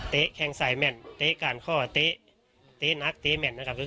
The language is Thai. เตะแข่งไซมันเตะการคอเตะนักเตะแมนนะครับ